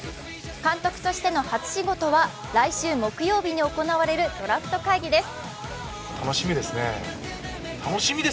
監督としての初仕事は来週木曜日に行われるドラフト会議です。